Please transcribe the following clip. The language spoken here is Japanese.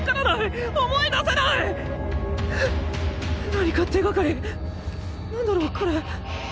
何か手がかり何だろうこれ。